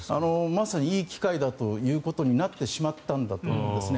まさにいい機会だということになってしまったんだと思うんですね。